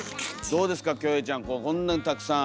どうですかキョエちゃん